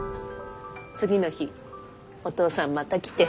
次の日お父さんまた来て。